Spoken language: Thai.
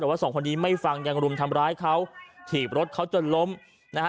แต่ว่าสองคนนี้ไม่ฟังยังรุมทำร้ายเขาถีบรถเขาจนล้มนะฮะ